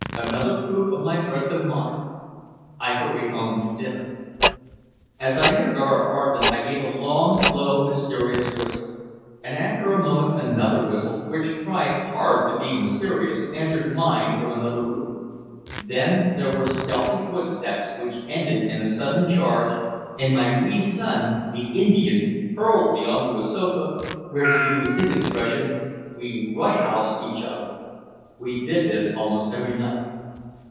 Another proof of my breadth of mind. I hurried home to dinner. As I entered our apartment I gave a long, low mysterious whistle. And after a moment another whistle, which tried hard to be mysterious, answered mine from another room. Then there were stealthy footsteps which ended in a sudden charge, and my wee son, "the Indian," hurled me onto a sofa, where, to use his expression, we "rush housed" each other. We did this almost every night.